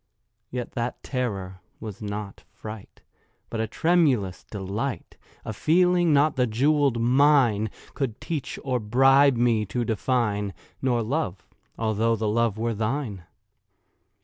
Yet that terror was not fright, But a tremulous delight— A feeling not the jewelled mine Could teach or bribe me to define— Nor Love—although the Love were thine.